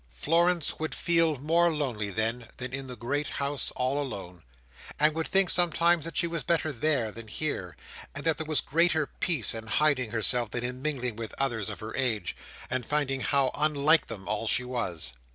Florence would feel more lonely then, than in the great house all alone; and would think sometimes that she was better there than here, and that there was greater peace in hiding herself than in mingling with others of her age, and finding how unlike them all she was.